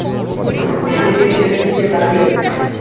তিনি ছেলেটিকে ডাকলেন।